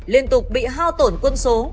liên tục bị hao tổn quân số